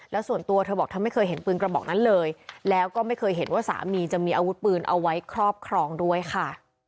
แล้วส่วนตัวเธอบอกเธอไม่เคยเห็นปืนกระบอกนั้นเลยแล้วก็ไม่เคยเห็นว่าสามีจะมีอาวุธปืนเอาไว้ครอบครองด้วยค่ะ